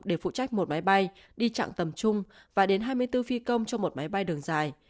để phụ trách một máy bay đi chặng tầm trung và đến hai mươi bốn phi công cho một máy bay đường dài